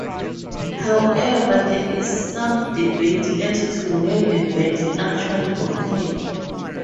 However, there is some debate as to where the battle actually occurred.